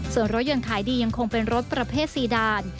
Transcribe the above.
ส่วนรถยนต์ขายดียังคงเป็นรถประเภทซีดาน